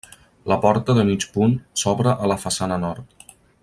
La porta, de mig punt, s'obre a la façana nord.